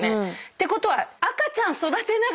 てことは。